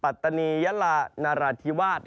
ปัตธานียระแหละนรธิวาษ